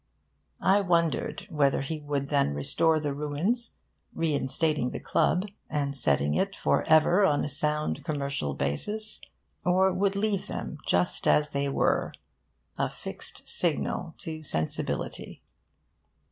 I wondered whether he would then restore the ruins, reinstating the club, and setting it for ever on a sound commercial basis, or would leave them just as they were, a fixed signal to sensibility.